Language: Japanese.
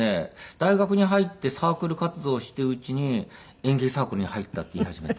大学に入ってサークル活動をしてるうちに演劇サークルに入ったって言い始めて。